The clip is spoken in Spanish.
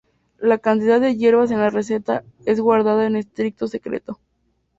La cantidad de hierbas en la receta es guardada en estricto secreto.